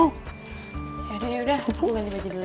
yaudah yaudah gue ganti baju dulu ya